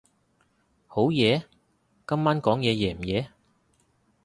好夜？今晚講嘢夜唔夜？